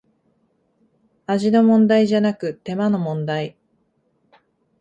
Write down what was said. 味の問題じゃなく手間の問題